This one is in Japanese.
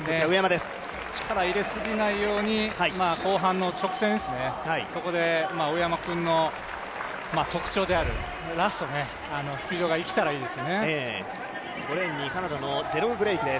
力入れすぎないように、後半の直線ですね、そこで上山君の特徴であるラスト、スピードが生きたらいいですね。